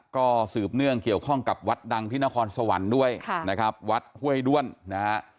ก็สืบเนื่องเกี่ยวข้องกับวัดดังที่นครสวรรค์ด้วยนะครับวัดห้วยด้วนนะฮะ